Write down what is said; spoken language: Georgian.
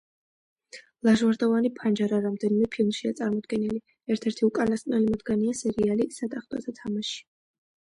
ლაჟვარდოვანი ფანჯარა რამდენიმე ფილმშია წარმოდგენილი, ერთ-ერთი უკანასკნელი მათგანია სერიალი სატახტოთა თამაში.